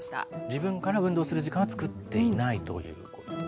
自分から運動する時間は作っていないということ。